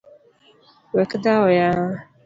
Wek dhawo yawa.